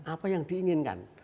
apa yang diinginkan